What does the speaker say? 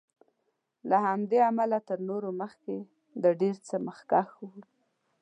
له همدې امله تر نورو مخکې د ډېر څه مخکښ وي.